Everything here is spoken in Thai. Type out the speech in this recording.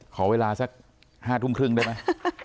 ขอเวลาสัก๕ทุ่มครึ่งได้ไหม